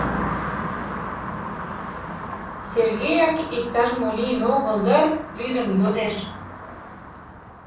Сергеяк иктаж-мо лийын огыл дыр? — лӱдын йодеш.